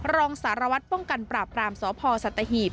รองสารวัตรป้องกันปราบรามสพสัตหีบ